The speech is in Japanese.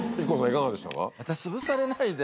いかがでしたか？